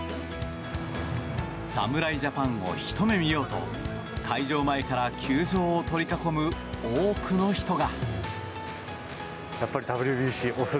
侍ジャパンをひと目見ようと開場前から球場を取り囲む多くの人が。